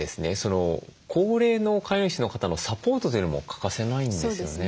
高齢の飼い主の方のサポートというのも欠かせないんですよね。